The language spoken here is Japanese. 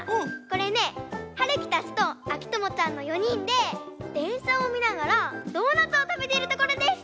これねはるきたちとあきともちゃんの４にんででんしゃをみながらドーナツをたべてるところです！